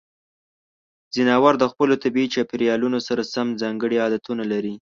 ځناور د خپلو طبیعي چاپیریالونو سره سم ځانګړې عادتونه لري.